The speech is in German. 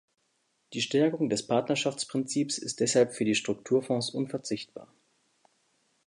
Die Stärkung des Partnerschaftsprinzips ist deshalb für die Strukturfonds unverzichtbar.